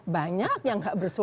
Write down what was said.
banyak yang tidak bersuara